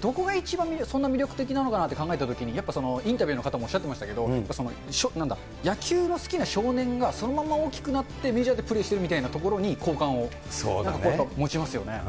どこが一番そんな魅力的なのかなって考えたときにやっぱり、インタビューの方もおっしゃってましたけど、そのなんだ、野球の好きな少年がそのまま大きくなって、メジャーでプレーしてるみたいなところに好感を、なんか持ちますよね。